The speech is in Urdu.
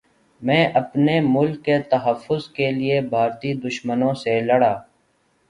میں اپنے ملک کے تحفظ کے لیے بھارتی دشمنوں سے لڑا